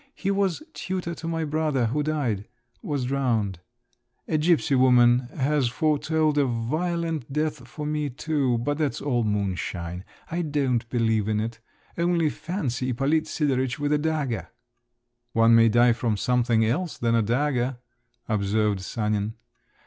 He was tutor to my brother, who died … was drowned. A gipsy woman has foretold a violent death for me too, but that's all moonshine. I don't believe in it. Only fancy Ippolit Sidoritch with a dagger!" "One may die from something else than a dagger," observed Sanin.